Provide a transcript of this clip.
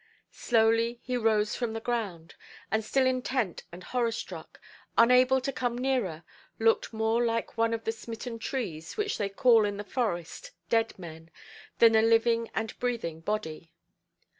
Slowly he rose from the ground, and still intent and horror–struck, unable to come nearer, looked more like one of the smitten trees which they call in the forest "dead men", than a living and breathing body.